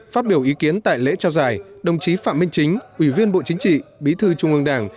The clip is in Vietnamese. phát biểu ý kiến tại lễ trao giải đồng chí phạm minh chính ủy viên bộ chính trị bí thư trung ương đảng